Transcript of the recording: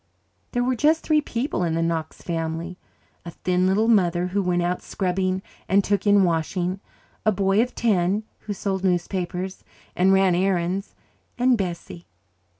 There were just three people in the Knox family a thin little mother, who went out scrubbing and took in washing, a boy of ten, who sold newspapers and ran errands and Bessie.